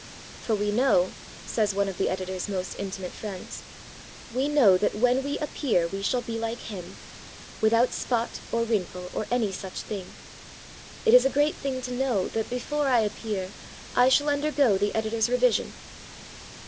'For we know,' says one of the Editor's most intimate friends, 'we know that when we appear we shall be like Him without spot or wrinkle or any such thing!' It is a great thing to know that, before I appear, I shall undergo the Editor's revision.